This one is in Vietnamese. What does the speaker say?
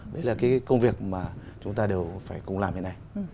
đấy là cái công việc mà chúng ta đều phải cùng làm hiện nay